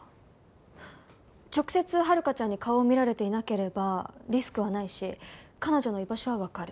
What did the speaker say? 直接遥香ちゃんに顔を見られていなければリスクはないし彼女の居場所はわかる。